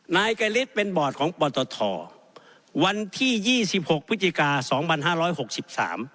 นายไกรฤทธิ์เป็นบอดของปตทวันที่๒๖พศ๒๕๖๓